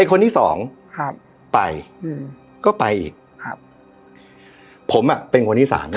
คนที่สองครับไปอืมก็ไปอีกครับผมอ่ะเป็นคนที่สามครับ